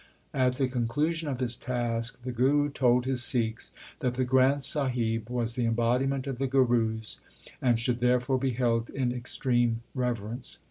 At the conclusion of his task the Guru told his Sikhs that the Granth Sahib was the embodiment of the Gurus, and should therefore be held in extreme reverence.